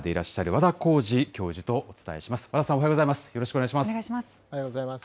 和田さん、おはようございます。